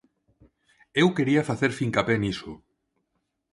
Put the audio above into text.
Eu quería facer fincapé niso.